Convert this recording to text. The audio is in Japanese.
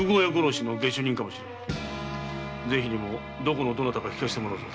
ぜひにもどこのどなたか聞かせてもらうぞ。